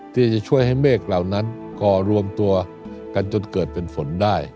ที่จะช่วยให้เมฆเหล่านั้นก่อรวมตัวกันจนเกิดเป็นฝนได้